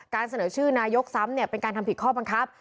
เสนอชื่อนายกซ้ำเป็นการทำผิดข้อบังคับ